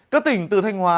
các tỉnh từ thanh hóa